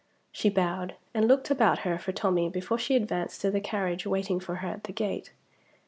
She bowed, and looked about her for Tommie before she advanced to the carriage waiting for her at the gate.